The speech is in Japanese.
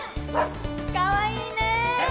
かわいいね。